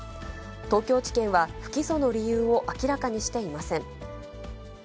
東京地検は不起訴の理由を明らかにしていません。